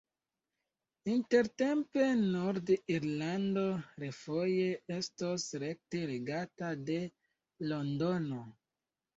Intertempe Nord-Irlando refoje estos rekte regata de Londono.